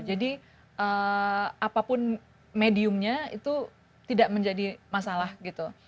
jadi apapun mediumnya itu tidak menjadi masalah gitu